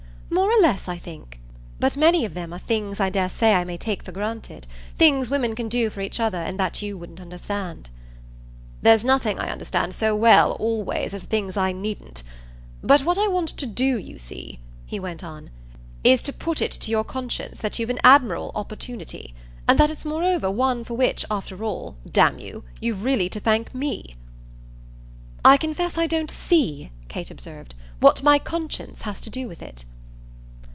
"More or less, I think. But many of them are things I dare say I may take for granted things women can do for each other and that you wouldn't understand." "There's nothing I understand so well, always, as the things I needn't! But what I want to do, you see," he went on, "is to put it to your conscience that you've an admirable opportunity; and that it's moreover one for which, after all, damn you, you've really to thank ME." "I confess I don't see," Kate observed, "what my 'conscience' has to do with it."